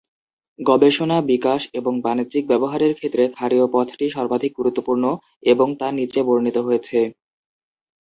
গবেষণা, বিকাশ এবং বাণিজ্যিক ব্যবহারের ক্ষেত্রে ক্ষারীয় পথটি সর্বাধিক গুরুত্বপূর্ণ এবং তা নীচে বর্ণিত হয়েছে।